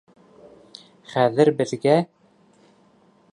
Хәҙер беҙгә...